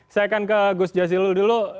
saya akan ke gus jazilul dulu